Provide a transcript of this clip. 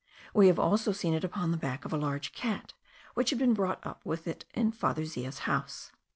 We have also seen it upon the back of a large cat, which had been brought up with it in Father Zea's house.